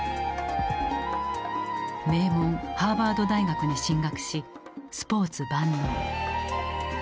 名門ハーバード大学に進学しスポーツ万能。